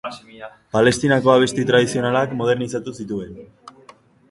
Palestinako abesti tradizionalak modernizatu zituen.